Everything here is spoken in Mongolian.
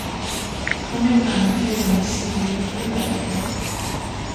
Хүү минь та нүглээ наманчилсан нь дээр гэж би бодож байна.